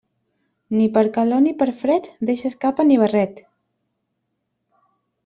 Ni per calor ni per fred, deixes capa ni barret.